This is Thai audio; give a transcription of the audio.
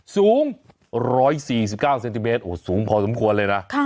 สูง๑๔๙เซนติเมตรสูงพอสมควรเลยนะ